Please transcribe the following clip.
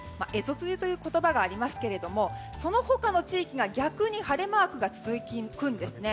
蝦夷梅雨という言葉がありますけどその他の地域が逆に晴れマークが続くんですね。